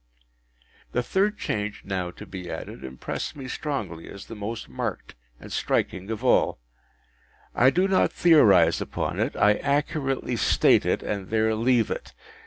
The third change now to be added impressed me strongly as the most marked and striking of all. I do not theorise upon it; I accurately state it, and there leave it.